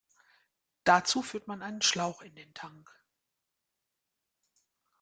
Dazu führt man einen Schlauch in den Tank.